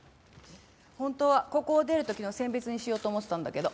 本当はここを出る時の餞別にしようと思ってたんだけど。